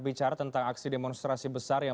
bicara tentang aksi demonstrasi besar yang